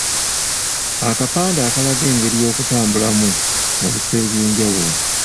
Akapande akulaga engeri y’okutambulamu mu bifo eby’enjawulo.